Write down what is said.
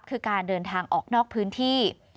คือการเดินทางออกนอกพื้นที่